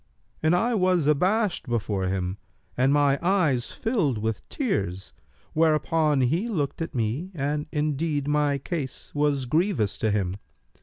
And I was abashed before him and my eyes filled with tears; whereupon he looked at me and indeed my case was grievous to him.